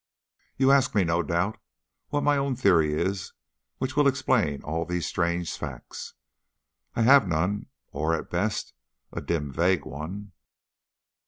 You ask me, no doubt, what my own theory is which will explain all these strange facts. I have none, or, at best, a dim and vague one.